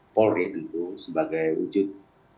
polri tentu sebagai wujud